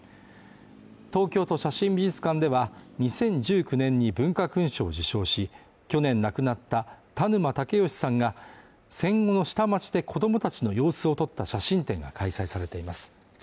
東京都写真美術館では、２０１９年に文化勲章を受章し、去年亡くなった田沼武能さんが戦後の下町で子供たちの様子を撮った写真展が開催されています。